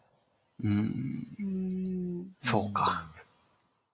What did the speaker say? うんそうか。